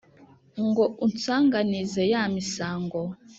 ngo unsanganize ya misango